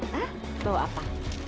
hah bawa apa